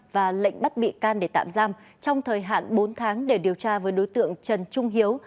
và lệnh bắt bị can để tạm giam trong thời hạn bốn tháng để điều tra với đối tượng trần trung hiếu